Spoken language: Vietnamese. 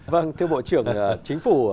vâng thưa bộ trưởng chính phủ